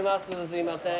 すいません。